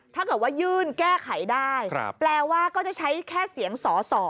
ถ้าเกิดว่ายื่นแก้ไขได้แปลว่าก็จะใช้แค่เสียงสอสอ